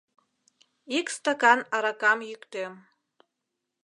Ик стакан аракам йӱктем.